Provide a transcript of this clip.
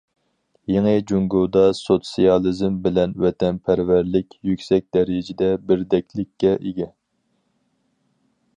يېڭى جۇڭگودا سوتسىيالىزم بىلەن ۋەتەنپەرۋەرلىك يۈكسەك دەرىجىدە بىردەكلىككە ئىگە.